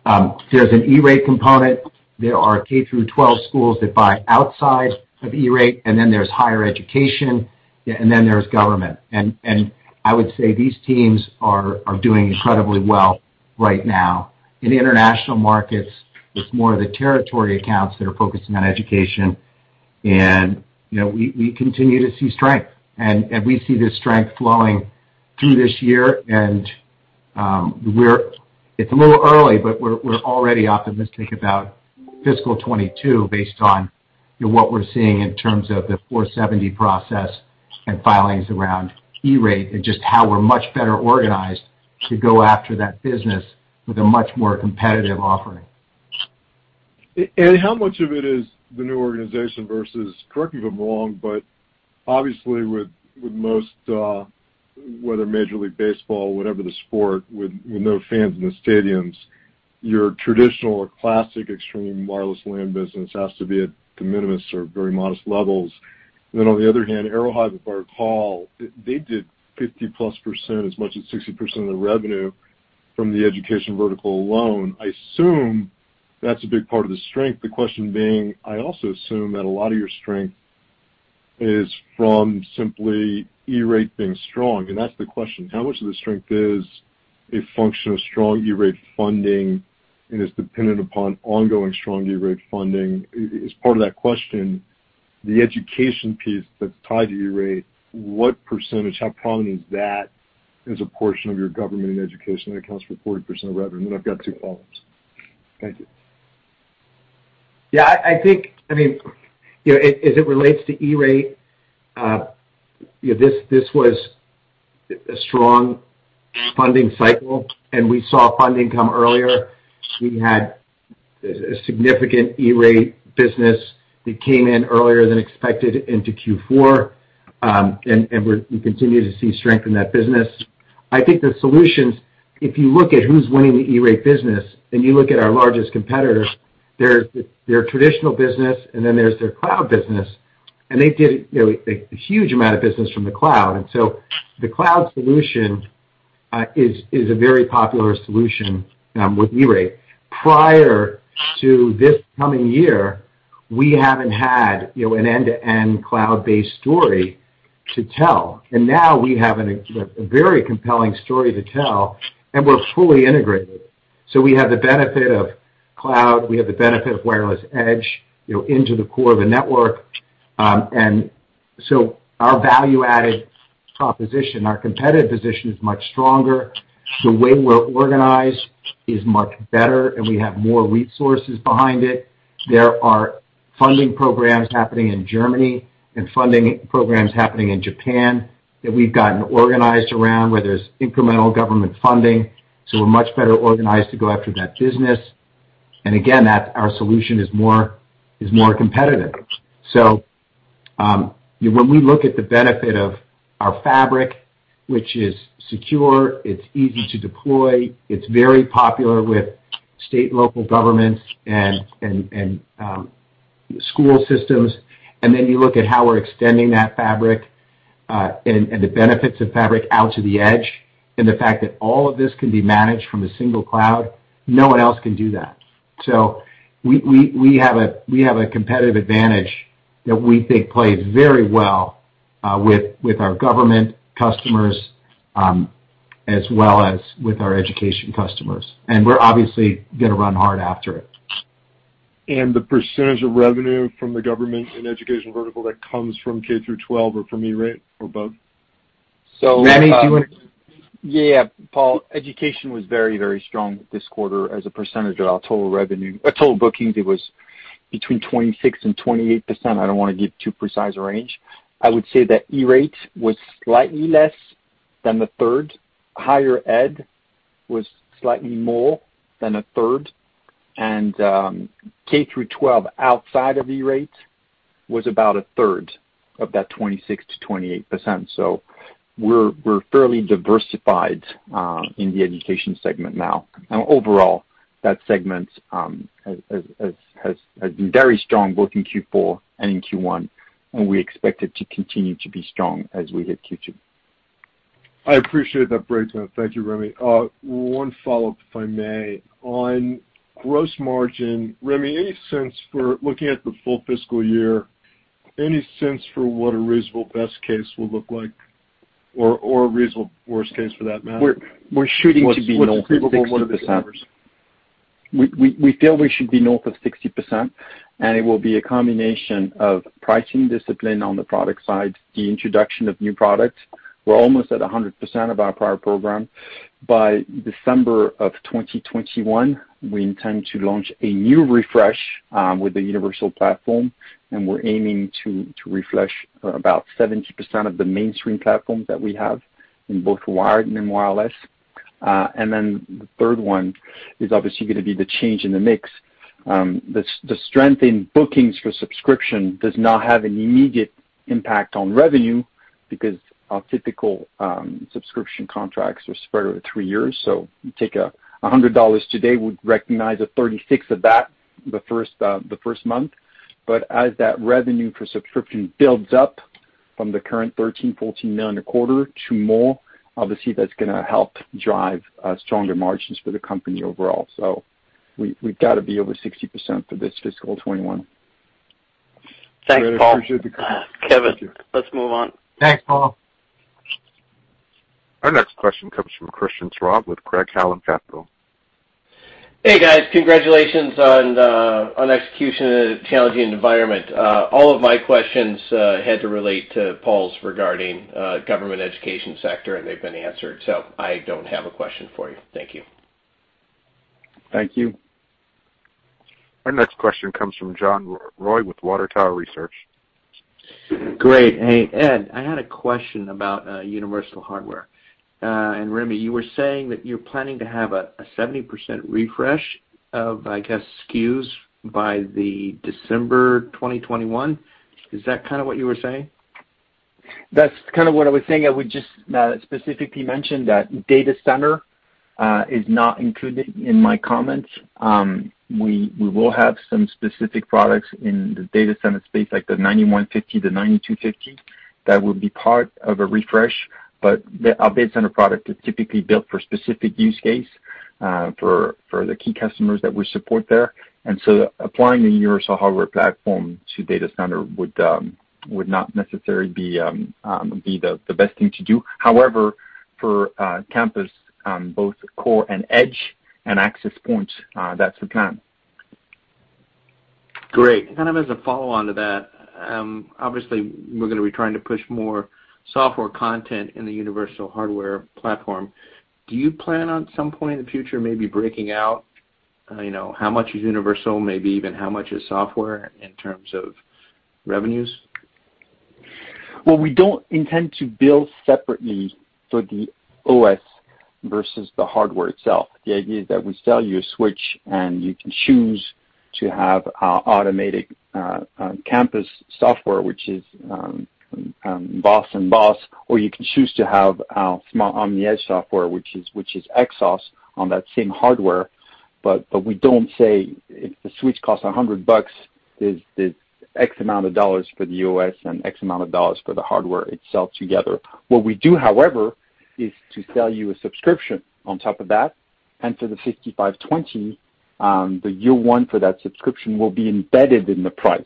There's an E-Rate component. There are K through 12 schools that buy outside of E-Rate, and then there's higher education, and then there's government. I would say these teams are doing incredibly well right now. In the international markets, it's more of the territory accounts that are focusing on education, and we continue to see strength. We see this strength flowing through this year and it's a little early, but we're already optimistic about fiscal 2022 based on what we're seeing in terms of the 470 process and filings around E-Rate, and just how we're much better organized to go after that business with a much more competitive offering. How much of it is the new organization versus, correct me if I'm wrong, but obviously with most, whether Major League Baseball, whatever the sport, with no fans in the stadiums, your traditional or classic Extreme wireless LAN business has to be at de minimis or very modest levels. On the other hand, Aerohive with Barrack Hall, they did 50-plus %, as much as 60% of the revenue from the education vertical alone. I assume that's a big part of the strength. The question being, I also assume that a lot of your strength is from simply E-Rate being strong, and that's the question. How much of the strength is a function of strong E-Rate funding and is dependent upon ongoing strong E-Rate funding? As part of that question, the education piece that's tied to E-Rate, what percentage, how prominent is that as a portion of your government and education that accounts for 40% of revenue? I've got two follow-ups. Thank you. Yeah, as it relates to E-Rate, this was a strong funding cycle, and we saw funding come earlier. We had a significant E-Rate business that came in earlier than expected into Q4. We continue to see strength in that business. I think the solutions, if you look at who's winning the E-Rate business, and you look at our largest competitors, there's their traditional business, and then there's their cloud business, and they get a huge amount of business from the cloud. The cloud solution is a very popular solution with E-Rate. Prior to this coming year, we haven't had an end-to-end cloud-based story to tell. Now we have a very compelling story to tell, and we're fully integrated. We have the benefit of cloud, we have the benefit of wireless edge into the core of the network. Our value-added proposition, our competitive position is much stronger. The way we're organized is much better, and we have more resources behind it. There are funding programs happening in Germany and funding programs happening in Japan that we've gotten organized around, where there's incremental government funding. We're much better organized to go after that business. Again, our solution is more competitive. When we look at the benefit of our fabric, which is secure, it's easy to deploy, it's very popular with state and local governments and school systems. And then you look at how we're extending that fabric, and the benefits of fabric out to the edge, and the fact that all of this can be managed from a single cloud, no one else can do that. We have a competitive advantage that we think plays very well with our government customers, as well as with our education customers. We're obviously going to run hard after it. The percentage of revenue from the government and education vertical that comes from K through 12 or from E-Rate or both? Rémi, do you want to. Yeah, Paul. Education was very strong this quarter as a percentage of our total bookings. It was between 26% and 28%. I don't want to give too precise a range. I would say that E-Rate was slightly less than a third. Higher ed was slightly more than a third. K through 12 outside of E-Rate was about a third of that 26%-28%. We're fairly diversified in the education segment now. Overall, that segment has been very strong both in Q4 and in Q1, and we expect it to continue to be strong as we hit Q2. I appreciate that breakdown. Thank you, Rémi. One follow-up, if I may. On gross margin, Rémi, any sense for looking at the full fiscal year, any sense for what a reasonable best case will look like or a reasonable worst case for that matter? We're shooting to be north of 60%. What's achievable over the next. We feel we should be north of 60%. It will be a combination of pricing discipline on the product side, the introduction of new products. We're almost at 100% of our product program. By December of 2021, we intend to launch a new refresh with the universal platform. We're aiming to refresh about 70% of the mainstream platforms that we have in both wired and in wireless. The third one is obviously going to be the change in the mix. The strength in bookings for subscription does not have an immediate impact on revenue because our typical subscription contracts are spread over three years. You take $100 today, we'd recognize 36 of that the first month. As that revenue for subscription builds up from the current $13 million, $14 million a quarter to more, obviously, that's going to help drive stronger margins for the company overall. We've got to be over 60% for this fiscal 2021. Rémi, I appreciate the color. Thanks, Paul. Thank you. Kevin, let's move on. Thanks, Paul. Our next question comes from Christian Schwab with Craig-Hallum Capital. Hey guys, congratulations on execution in a challenging environment. All of my questions had to relate to Paul's regarding government education sector, and they've been answered, so I don't have a question for you. Thank you. Thank you. Our next question comes from John Roy with Water Tower Research. Great. Hey, Ed, I had a question about universal hardware. Rémi, you were saying that you're planning to have a 70% refresh of, I guess, SKUs by the December 2021. Is that kind of what you were saying? That's kind of what I was saying. I would just specifically mention that data center is not included in my comments. We will have some specific products in the data center space, like the 9150, the 9250. That will be part of a refresh. Our data center product is typically built for specific use case, for the key customers that we support there. Applying the universal hardware platform to data center would not necessarily be the best thing to do. However, for campus, both core and edge and access points, that's the plan. Great. As a follow-on to that, obviously we're going to be trying to push more software content in the universal hardware platform. Do you plan on some point in the future maybe breaking out how much is universal, maybe even how much is software in terms of revenues? Well, we don't intend to build separately for the OS versus the hardware itself. The idea is that we sell you a switch and you can choose to have our automated campus software, which is VOSS and VOSS, or you can choose to have our small omni edge software, which is EXOS on that same hardware. We don't say if the switch costs $100, there's X amount of dollars for the OS and X amount of dollars for the hardware itself together. What we do, however, is to sell you a subscription on top of that, and for the 5520, the year one for that subscription will be embedded in the price.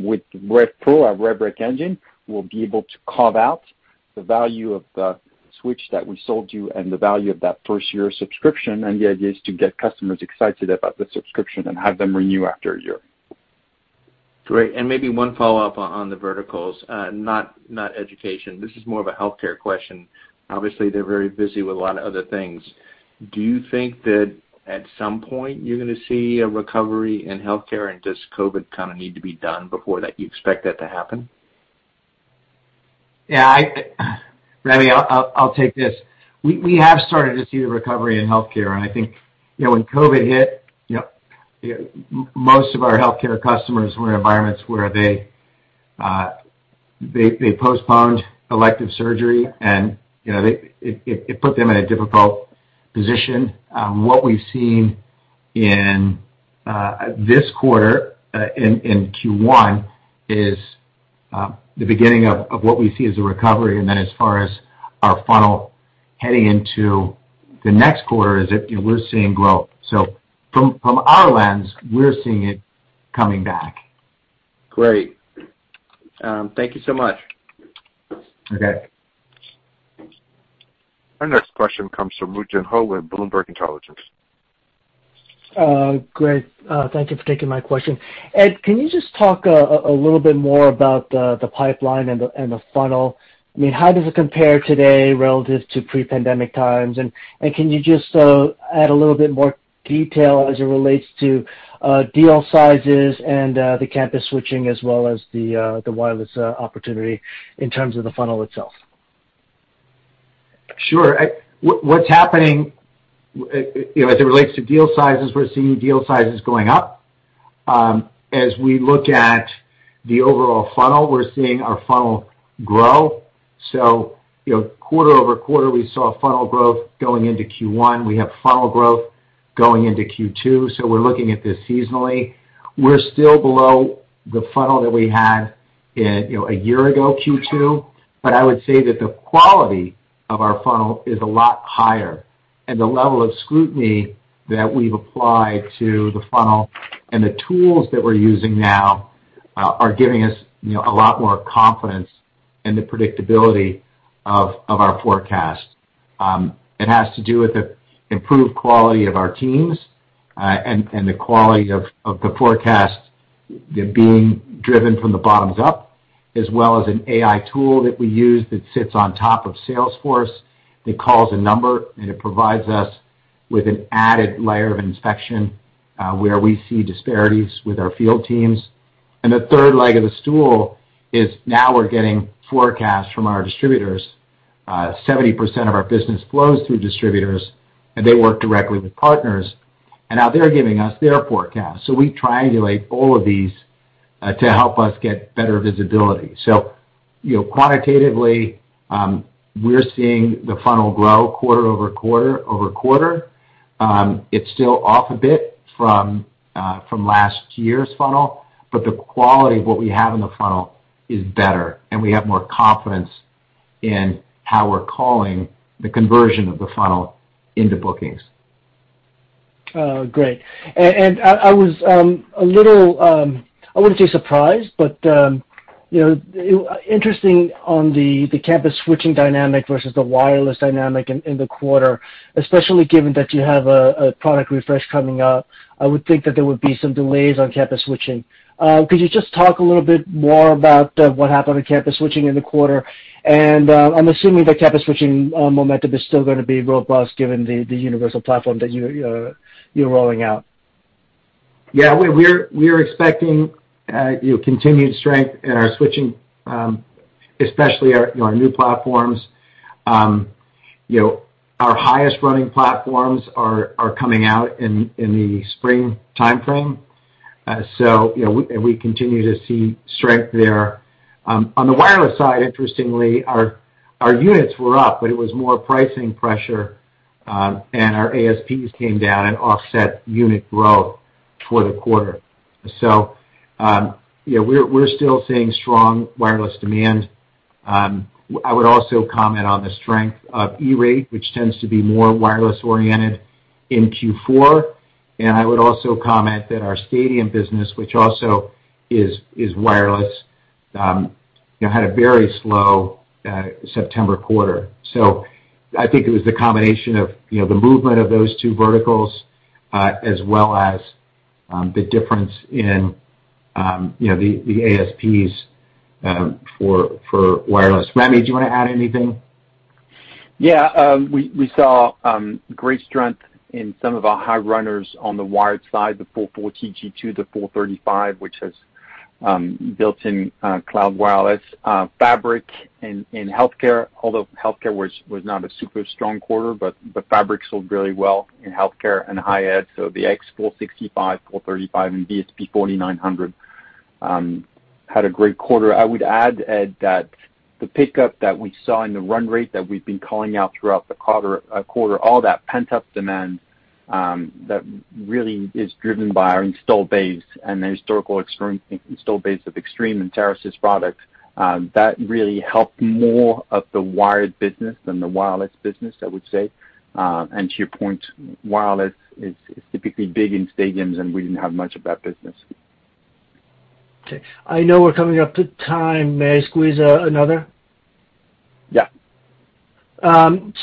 With RevPro, our RevRec engine, we'll be able to carve out the value of the switch that we sold you and the value of that first year subscription. The idea is to get customers excited about the subscription and have them renew after a year. Great. Maybe one follow-up on the verticals. Not education. This is more of a healthcare question. Obviously, they're very busy with a lot of other things. Do you think that at some point you're going to see a recovery in healthcare, and does COVID need to be done before that you expect that to happen? Yeah. Rémi, I'll take this. We have started to see the recovery in healthcare. I think when COVID-19 hit, most of our healthcare customers were in environments where they postponed elective surgery, and it put them in a difficult position. What we've seen in this quarter, in Q1, is the beginning of what we see as a recovery. As far as our funnel heading into the next quarter is that we're seeing growth. From our lens, we're seeing it coming back. Great. Thank you so much. Okay. Our next question comes from Woo Jin Ho with Bloomberg Intelligence. Great. Thank you for taking my question. Ed, can you just talk a little bit more about the pipeline and the funnel? How does it compare today relative to pre-pandemic times? Can you just add a little bit more detail as it relates to deal sizes and the campus switching as well as the wireless opportunity in terms of the funnel itself? Sure. What's happening as it relates to deal sizes, we're seeing deal sizes going up. As we look at the overall funnel, we're seeing our funnel grow. Quarter-over-quarter, we saw funnel growth going into Q1. We have funnel growth going into Q2. We're looking at this seasonally. We're still below the funnel that we had a year ago, Q2. I would say that the quality of our funnel is a lot higher, and the level of scrutiny that we've applied to the funnel and the tools that we're using now are giving us a lot more confidence in the predictability of our forecast. It has to do with the improved quality of our teams and the quality of the forecast being driven from the bottoms up, as well as an AI tool that we use that sits on top of Salesforce that calls a number, and it provides us with an added layer of inspection where we see disparities with our field teams. The third leg of the stool is now we're getting forecasts from our distributors. 70% of our business flows through distributors, and they work directly with partners. Now they're giving us their forecast. We triangulate all of these to help us get better visibility. Quantitatively, we're seeing the funnel grow quarter-over-quarter-over-quarter. It's still off a bit from last year's funnel, but the quality of what we have in the funnel is better, and we have more confidence in how we're calling the conversion of the funnel into bookings. Great. I was a little, I wouldn't say surprised, but interesting on the campus switching dynamic versus the wireless dynamic in the quarter, especially given that you have a product refresh coming up. I would think that there would be some delays on campus switching. Could you just talk a little bit more about what happened with campus switching in the quarter? I'm assuming that campus switching momentum is still going to be robust given the universal platform that you're rolling out. We're expecting continued strength in our switching, especially our new platforms. Our highest running platforms are coming out in the spring timeframe. We continue to see strength there. On the wireless side, interestingly, our units were up, but it was more pricing pressure, and our ASPs came down and offset unit growth for the quarter. We're still seeing strong wireless demand. I would also comment on the strength of E-Rate, which tends to be more wireless-oriented in Q4. I would also comment that our stadium business, which also is wireless, had a very slow September quarter. I think it was the combination of the movement of those two verticals, as well as the difference in the ASPs for wireless. Rémi, do you want to add anything? Yeah. We saw great strength in some of our high runners on the wired side, the 44 TG2, the 435, which has built-in cloud wireless fabric in healthcare, although healthcare was not a super strong quarter, but the fabric sold really well in healthcare and higher ed. The X465, 435, and VSP 4900 had a great quarter. I would add, Ed, that the pickup that we saw in the run rate that we've been calling out throughout the quarter, all that pent-up demand that really is driven by our install base and the historical install base of Extreme and Enterasys products, that really helped more of the wired business than the wireless business, I would say. To your point, wireless is typically big in stadiums, and we didn't have much of that business. Okay. I know we're coming up to time. May I squeeze another? Yeah. Given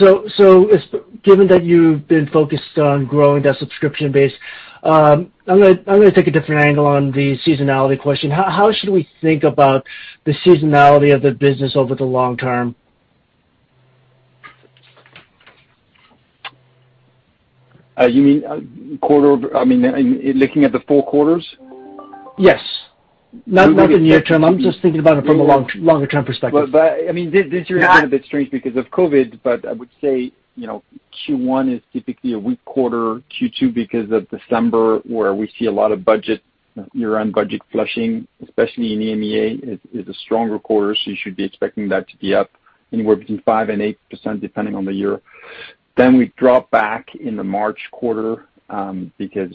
that you've been focused on growing that subscription base, I'm going to take a different angle on the seasonality question. How should we think about the seasonality of the business over the long term? You mean looking at the four quarters? Yes. Not in the near term. I'm just thinking about it from a longer-term perspective. This year has been a bit strange because of COVID-19, but I would say Q1 is typically a weak quarter. Q2, because of December, where we see a lot of year-end budget flushing, especially in EMEA, is a stronger quarter, so you should be expecting that to be up anywhere between 5% and 8%, depending on the year. We drop back in the March quarter, because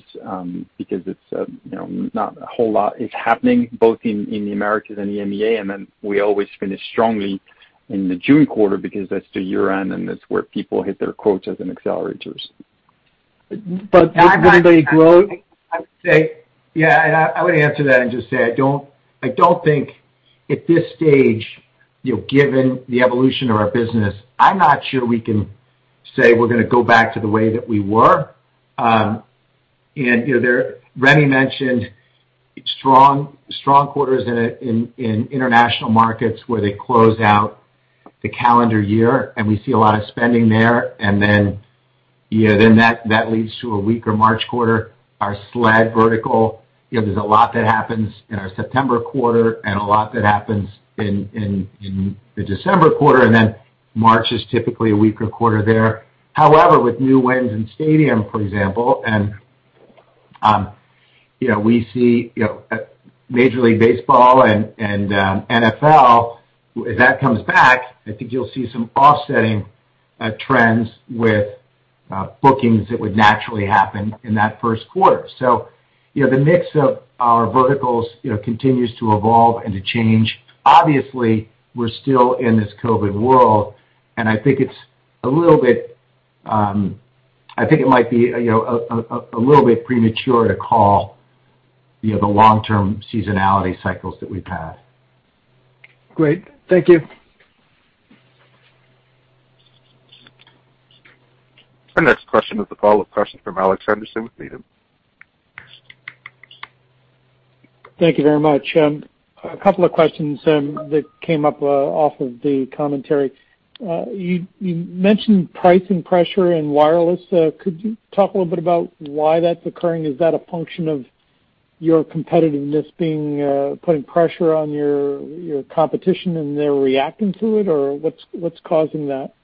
not a whole lot is happening, both in the Americas and EMEA. We always finish strongly in the June quarter because that's the year-end, and that's where people hit their quotas and accelerators. Wouldn't they grow? Yeah, I would answer that and just say, I don't think at this stage, given the evolution of our business, I'm not sure we can say we're going to go back to the way that we were. Rémi mentioned strong quarters in international markets where they close out the calendar year and we see a lot of spending there, and then that leads to a weaker March quarter. Our SLED vertical, there's a lot that happens in our September quarter and a lot that happens in the December quarter, and then March is typically a weaker quarter there. However, with new wins in stadium, for example, and we see Major League Baseball and NFL, if that comes back, I think you'll see some offsetting trends with bookings that would naturally happen in that Q1. The mix of our verticals continues to evolve and to change. Obviously, we're still in this COVID world, and I think it might be a little bit premature to call the long-term seasonality cycles that we've had. Great. Thank you. Our next question is a follow-up question from Alex Henderson with Needham. Thank you very much. A couple of questions that came up off of the commentary. You mentioned pricing pressure in wireless. Could you talk a little bit about why that's occurring? Is that a function of your competitiveness putting pressure on your competition and they're reacting to it, or what's causing that?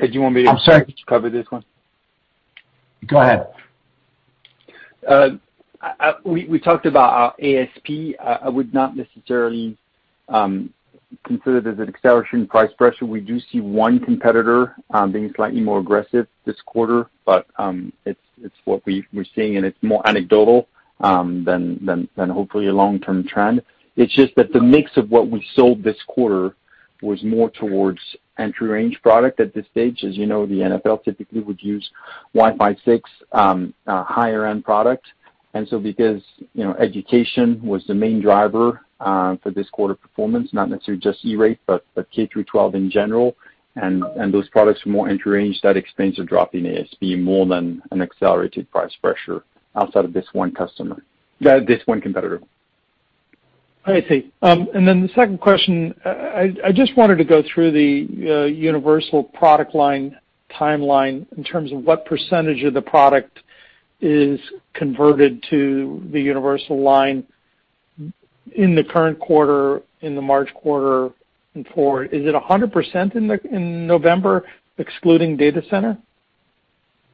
Ed, do you want me to? I'm sorry. Cover this one? Go ahead. We talked about our ASP. I would not necessarily consider this an acceleration price pressure. We do see one competitor being slightly more aggressive this quarter, but it's what we're seeing, and it's more anecdotal than hopefully a long-term trend. It's just that the mix of what we sold this quarter was more towards entry range product at this stage. As you know, the NFL typically would use Wi-Fi 6, higher-end product. Because education was the main driver for this quarter performance, not necessarily just E-Rate, but K through 12 in general, and those products were more entry range, that explains the drop in ASP more than an accelerated price pressure outside of this one competitor. I see. The second question, I just wanted to go through the universal product line timeline in terms of what percentage of the product is converted to the universal line in the current quarter, in the March quarter and forward. Is it 100% in November, excluding data center?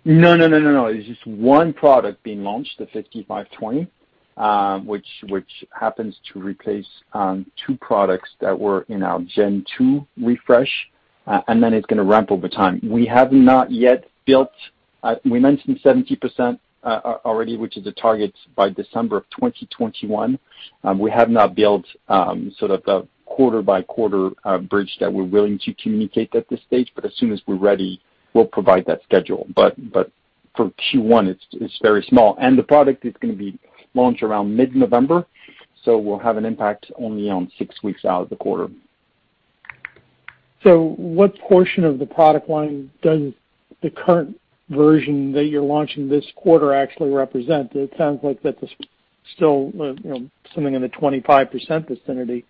No. It's just one product being launched, the 5520, which happens to replace two products that were in our gen 2 refresh. Then it's going to ramp over time. We have not yet built. We mentioned 70% already, which is the target by December 2021. We have not built sort of the quarter-by-quarter bridge that we're willing to communicate at this stage. As soon as we're ready, we'll provide that schedule. For Q1, it's very small. The product is going to be launched around mid-November, so will have an impact only on six weeks out of the quarter. What portion of the product line does the current version that you're launching this quarter actually represent? It sounds like that is still something in the 25% vicinity.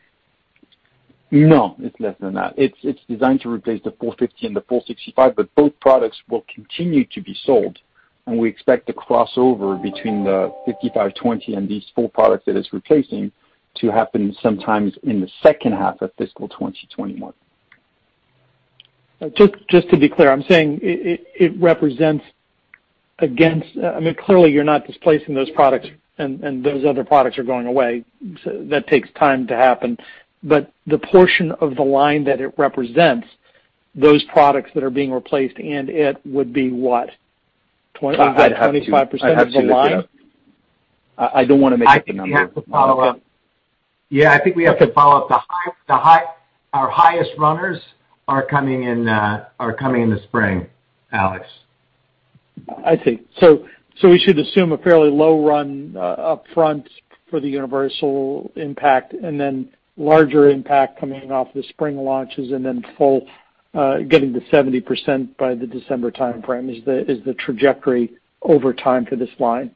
No, it's less than that. It's designed to replace the X450 and the 465, but both products will continue to be sold, and we expect the crossover between the 5520 and these full products that it's replacing to happen sometimes in the second half of fiscal 2021. Just to be clear, I'm saying it represents I mean, clearly, you're not displacing those products, and those other products are going away. That takes time to happen. The portion of the line that it represents, those products that are being replaced and it would be what? 25% of the line? I'd have to look it up. I don't want to make up the numbers. I think we have to follow up. Yeah, I think we have to follow up. Our highest runners are coming in the spring, Alex. I see. We should assume a fairly low run up front for the universal impact, and then larger impact coming off the spring launches, and then getting to 70% by the December timeframe, is the trajectory over time for this line?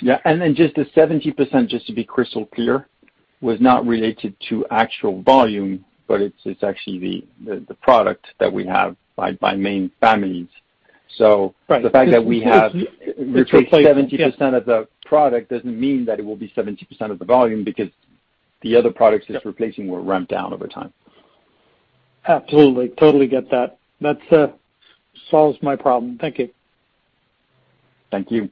Yeah. Just the 70%, just to be crystal clear, was not related to actual volume, but it's actually the product that we have by main families. Right. The fact that we have replaced 70% of the product doesn't mean that it will be 70% of the volume because the other products it's replacing will ramp down over time. Absolutely. Totally get that. That solves my problem. Thank you. Thank you.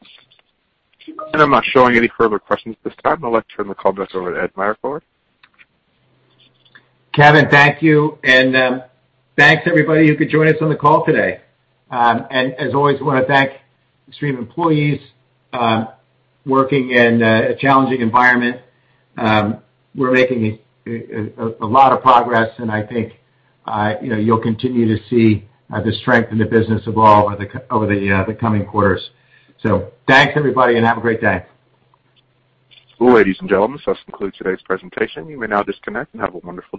I'm not showing any further questions at this time. I'd like to turn the call back over to Ed Meyercord for a word. Kevin, thank you. Thanks to everybody who could join us on the call today. As always, we want to thank Extreme employees working in a challenging environment. We're making a lot of progress, and I think you'll continue to see the strength in the business evolve over the coming quarters. Thanks, everybody, and have a great day. Ladies and gentlemen, this concludes today's presentation. You may now disconnect and have a wonderful day.